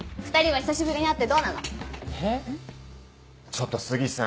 ちょっと杉さん。